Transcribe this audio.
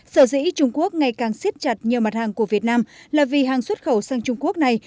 sở dĩ trung quốc ngày càng siết chặt nhiều mặt hàng của việt nam là vì hàng xuất khẩu sang trung quốc này